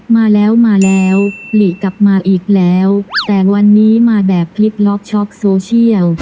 มาแล้วมาแล้วหลีกลับมาอีกแล้วแต่วันนี้มาแบบพลิกล็อกช็อกโซเชียล